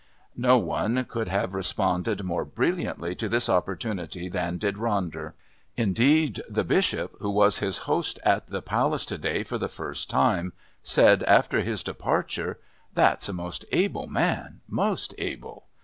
No one could have responded more brilliantly to this opportunity than did Ronder; indeed the Bishop, who was his host at the Palace to day for the first time, said after his departure, "That's a most able man, most able.